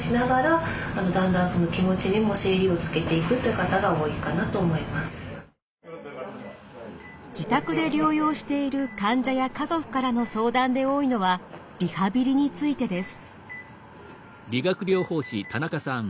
私たちと自宅で療養している患者や家族からの相談で多いのはリハビリについてです。